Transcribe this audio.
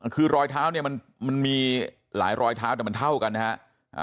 คือรอยเท้าเนี่ยมันมีหลายรอยเท้าแต่มันเท่ากันนะฮะ